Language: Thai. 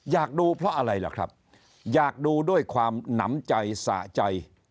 อยากดูเพราะอะไรล่ะครับอยากดูด้วยความหนำใจสะใจ